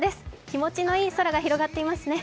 気持ちのいい空が広がっていますね。